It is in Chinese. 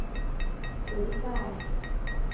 紫柄蹄盖蕨为蹄盖蕨科蹄盖蕨属下的一个种。